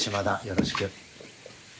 よろしく。